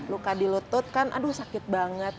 luka di lutut kan aduh sakit banget